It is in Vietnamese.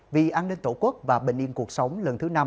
vì an ninh tổ quốc và bình yên cuộc sống lần thứ năm